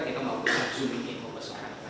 kita melakukan zoom in pembesaran